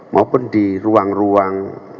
maupun di ruang ruang